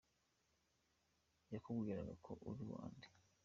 Yakubwiraga ko uri uwa nde ?